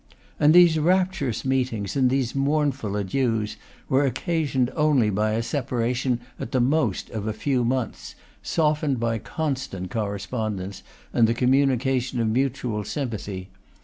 And these rapturous meetings and these mournful adieus were occasioned only by a separation at the most of a few months, softened by constant correspondence and the communication of mutual sympathy.